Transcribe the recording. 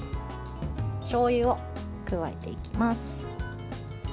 しょうゆを加えていきます。